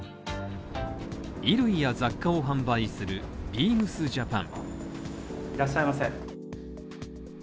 衣類や雑貨を販売するビームスジャパン